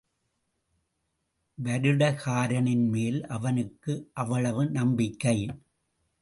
வருடகாரனின்மேல் அவனுக்கு அவ்வளவு நம்பிக்கை!